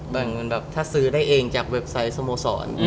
แบ่งเงินแบบถ้าซื้อได้เองจากเว็บไซต์สโมสร